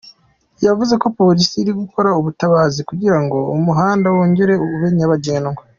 Yavuze ko polisi iri gukora ubutabazi kugira ngo umuhanda wongere ube nyabagendwa.